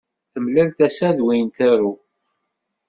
Temlal tasa d win trew.